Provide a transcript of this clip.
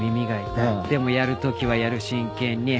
「でもやる時はやる真剣に」